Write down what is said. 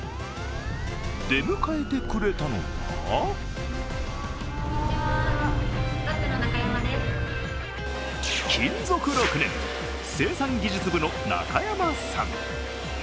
出迎えてくれたのは勤続６年、生産技術部の中山さん。